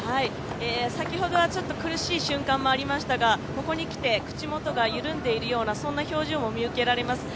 先ほどは苦しい瞬間もありましたがここに来て口元が緩んでいるような表情も見受けられます。